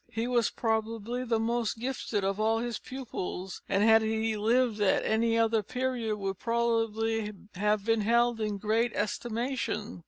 He was probably the most gifted of all his pupils, and had he lived at any other period would probably have been held in great estimation.